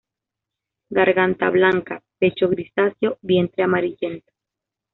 Garganta blanca, pecho grisáceo, vientre amarillento.